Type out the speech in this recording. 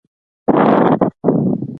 ایا بهرني پاچاهان به پر هند برید وکړي؟